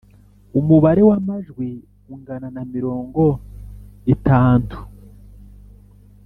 umubare wamajwi ungana namirongo itantu